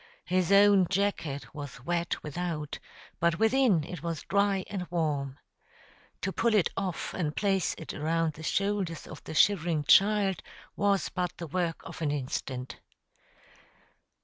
His own jacket was wet without, but within it was dry and warm. To pull it off and place it around the shoulders of the shivering child was but the work of an instant.